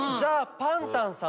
パンタンさん。